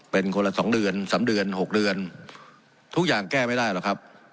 เป็นคนละสองเดือนสามเดือน๖เดือนทุกอย่างแก้ไม่ได้หรอกครับ